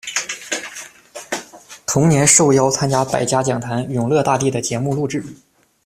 同年受邀参加百家讲坛《永乐大帝》的节目录制。